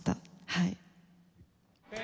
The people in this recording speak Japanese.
はい。